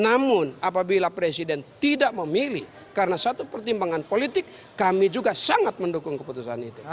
namun apabila presiden tidak memilih karena satu pertimbangan politik kami juga sangat mendukung keputusan itu